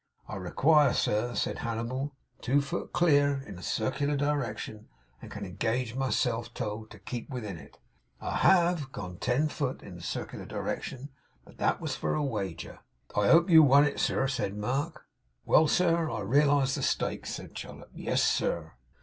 'I re quire, sir,' said Hannibal, 'two foot clear in a circ'lar di rection, and can engage my self toe keep within it. I HAVE gone ten foot, in a circ'lar di rection, but that was for a wager.' 'I hope you won it, sir,' said Mark. 'Well, sir, I realised the stakes,' said Chollop. 'Yes, sir.